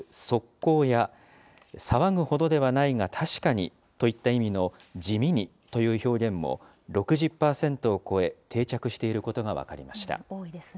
こうや、騒ぐほどではないが確かにといった意味のじみにという表現も６０％を超え、定着していることが分かりました。